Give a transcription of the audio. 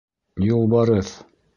Юлбарыҫ.